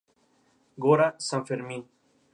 Gora San Fermín!...